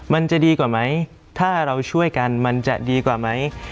มันจะดีกว่าไหมถ้าเราช่วยกันมันจะดีกว่าไหม